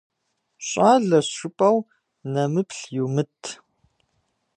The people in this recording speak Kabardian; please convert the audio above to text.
ЩӀалэщ жыпӀэу нэмыплъ йумыт.